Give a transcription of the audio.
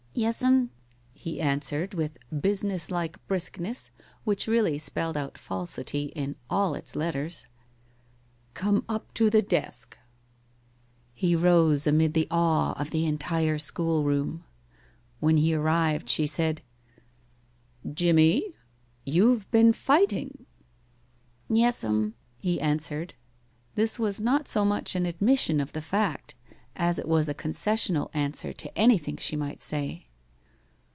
"Yes'm," he answered, with businesslike briskness, which really spelled out falsity in all its letters. "Come up to the desk." He rose amid the awe of the entire school room. When he arrived she said, "Jimmie, you've been fighting." "Yes'm," he answered. This was not so much an admission of the fact as it was a concessional answer to anything she might say.